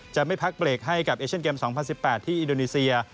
จะไม่พักเบรกให้กับเอเชียนเกม๒๐๑๘ที่อินโดนีเซีย